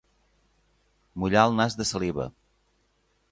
Mullar el nas de saliva.